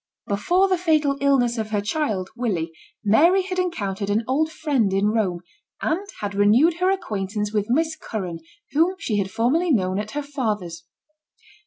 BEFORE the fatal illness of her child Willie, Mary had encountered an old friend in Rome, and had renewed her acquaintance with Miss Curran whom she had formerly known at her father's.